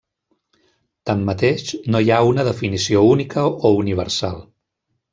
Tanmateix, no hi ha una definició única o universal.